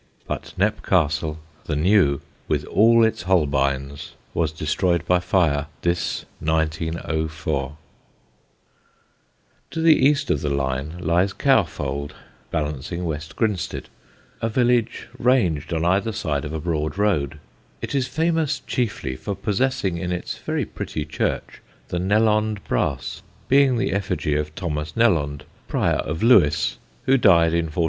But Knepp Castle, the new, with all its Holbeins, was destroyed by fire this 1904. [Sidenote: THE NELOND BRASS] [Sidenote: THE COWL IN SUSSEX] To the east of the line lies Cowfold, balancing West Grinstead, a village ranged on either side of a broad road. It is famous chiefly for possessing, in its very pretty church, the Nelond brass, being the effigy of Thomas Nelond, Prior of Lewes, who died in 1433.